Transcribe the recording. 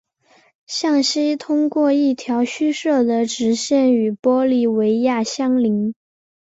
向西通过一条虚设的直线与玻利维亚相邻。